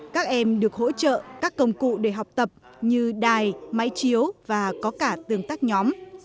các em được hỗ trợ các công cụ để học tập như đài máy chiếu và có cả tương tác nhóm